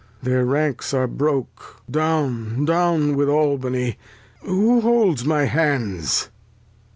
Their Ranks are broke, down with Albany. Who holds my Hands